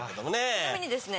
ちなみにですね